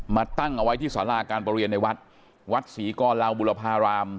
มาตั้งเอาไว้ที่สาราการประเรียนในวัดวัดศรีกรลาวบุรพาราม